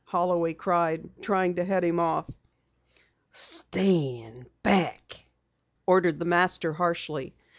Holloway cried, trying to head him off. "Stand back!" ordered the Master harshly.